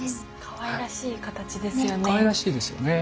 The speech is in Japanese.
かわいらしい形ですよね。